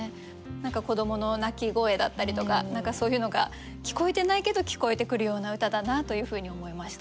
何か子どもの泣き声だったりとか何かそういうのが聞こえてないけど聞こえてくるような歌だなというふうに思いました。